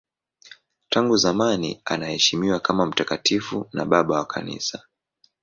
Tangu zamani anaheshimiwa kama mtakatifu na babu wa Kanisa.